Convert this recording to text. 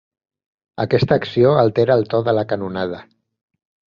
Aquesta acció altera el to de la "canonada".